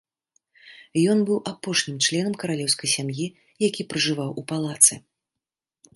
Ён быў апошнім членам каралеўскай сям'і, які пражываў у палацы.